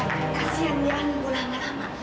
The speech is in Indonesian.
kasian mira nunggu lama lama